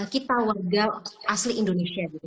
kita warga asli indonesia